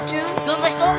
どんな人？